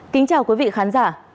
kính chào quý vị khán giả